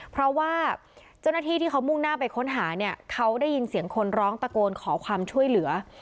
เพราะว่าเจ้าหน้าที่ที่เขามุ่งหน้าไปค้นหาเนี่ยเขาได้ยินเสียงคนร้องตะโกนขอความช่วยเหลือ